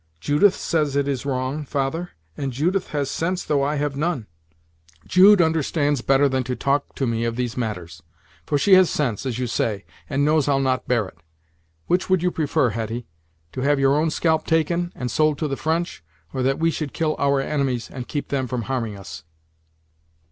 "Judith says it is wrong, father; and Judith has sense though I have none." "Jude understands better than to talk to me of these matters; for she has sense, as you say, and knows I'll not bear it. Which would you prefer, Hetty; to have your own scalp taken, and sold to the French, or that we should kill our enemies, and keep them from harming us?"